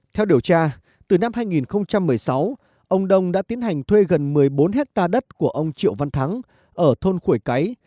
theo điều tra từ năm hai nghìn một mươi sáu ông đông đã tiến hành thuê gần một mươi bốn hectare đất của ông triệu văn thắng ở thôn khuổi cái